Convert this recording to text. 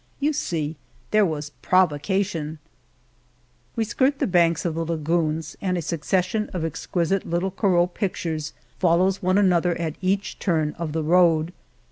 You see there was provocation !" We skirt the banks of the lagoons, and a succession of exquisite little Corot pictures follow one another at each new turn of the road.